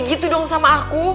gitu dong sama aku